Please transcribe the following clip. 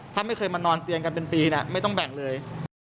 ถ้าไม่เคยมานอนเตียงกันเป็นปีไม่ต้องแบ่งเลย